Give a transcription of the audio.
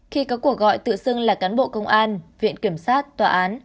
khi có cuộc gọi tự xưng là cán bộ công an viện kiểm sát tòa án